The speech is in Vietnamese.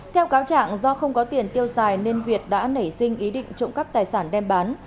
theo cáo trạng do không có tiền tiêu xài nên việt đã nảy sinh ý định trộm cắp tài sản đem bán